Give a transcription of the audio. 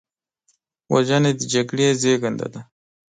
وژنه د جګړې زیږنده ده